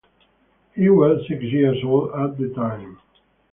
He was six years old at the time.